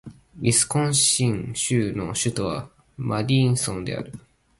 ウィスコンシン州の州都はマディソンである